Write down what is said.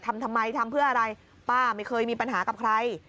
ทำทำไมทำเพื่ออะไรป้าไม่เคยมีปัญหากับใคร